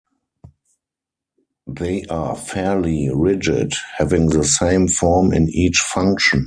They are fairly rigid, having the same form in each function.